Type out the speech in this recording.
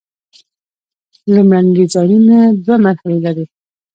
لومړني ډیزاینونه دوه مرحلې لري.